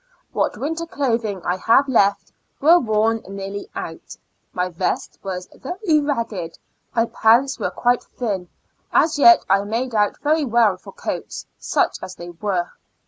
What winter clothing I had left were worn nearly out ; my vest was very ragged ; my pants were quite thin ; as yet I made out very well for coats, such as they were.